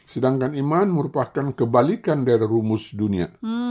sedangkan iman merupakan kebalikan dari rumus dunia